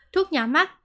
thuốc nhỏ mắt